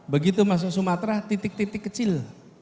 begitu masuk sumatera titik titik kecil